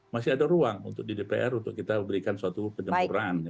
masih ada ruang untuk di dpr untuk kita berikan suatu penjempuran